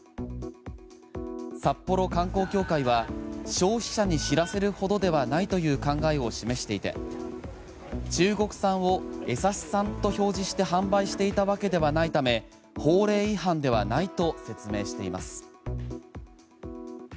札幌観光協会は消費者に知らせるほどではないという考えを示していて中国産を江差産と表示して販売していたわけではないため法令違反ではないと説明しています。